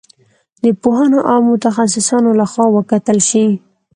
د پوهانو او متخصصانو له خوا وکتل شي.